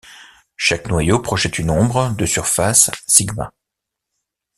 Chaque noyau projette une ombre de surface σ.